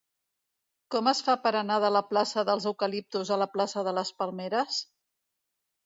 Com es fa per anar de la plaça dels Eucaliptus a la plaça de les Palmeres?